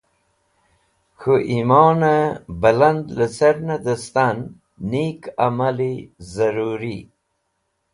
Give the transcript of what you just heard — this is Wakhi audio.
K̃hũ yimonẽ bẽland lẽcẽrnẽ dẽstan nik amal zẽrũri